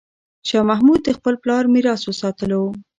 شاه محمود د خپل پلار میراث وساتلو.